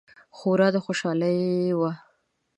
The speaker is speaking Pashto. خورا خوشحاله وه.